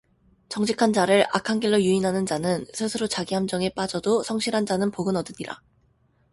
정직한 자를 악한 길로 유인하는 자는 스스로 자기 함정에 빠져도 성실한 자는 복을 얻느니라